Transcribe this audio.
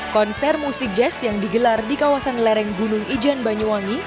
konser musik jazz yang digelar di kawasan lereng gunung ijan banyuwangi